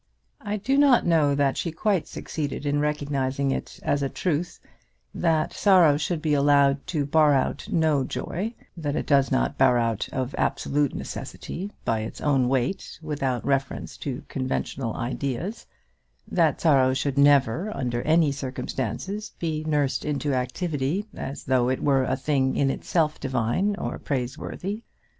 I do not know that she quite succeeded in recognising it as a truth that sorrow should be allowed to bar out no joy that it does not bar out of absolute necessity, by its own weight, without reference to conventional ideas; that sorrow should never, under any circumstances, be nursed into activity, as though it were a thing in itself divine or praiseworthy.